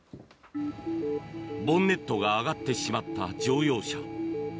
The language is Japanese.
ボンネットが上がってしまった乗用車。